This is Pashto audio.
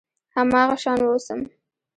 هماغه شان واوسم .